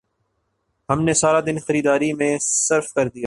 ہم نے سارا دن خریداری میں صرف کر دیا